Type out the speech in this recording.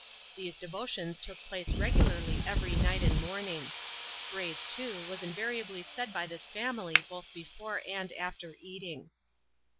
These devotions took place regularly every night and morning. Grace, too, was^invariably said by this family both before and after eating.